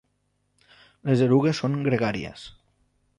Les erugues són gregàries.